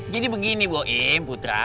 jadi begini boim putra